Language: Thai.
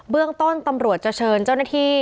เรื่องต้นตำรวจจะเชิญเจ้าหน้าที่